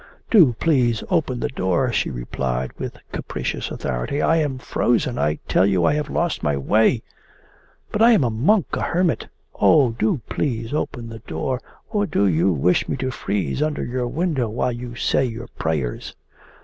'Do please open the door!' she replied, with capricious authority. 'I am frozen. I tell you I have lost my way.' 'But I am a monk a hermit.' 'Oh, do please open the door or do you wish me to freeze under your window while you say your prayers?